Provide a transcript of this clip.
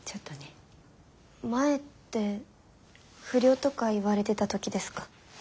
前って不良とか言われてた時ですか？